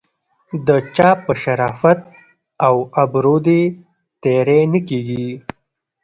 د چا په شرافت او ابرو دې تېری نه کیږي.